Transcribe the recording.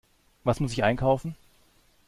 Was muss ich einkaufen?